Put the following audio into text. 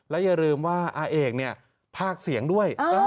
อย่าลืมว่าอาเอกเนี่ยภาคเสียงด้วย